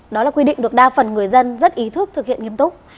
đó là quy định được đa phần người dân rất ý thức thực hiện nghiêm túc